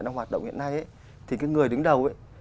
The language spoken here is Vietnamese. đang hoạt động hiện nay thì cái người đứng đầu